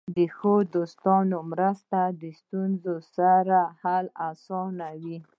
د ښو دوستانو مرسته د ستونزو حل اسانوي.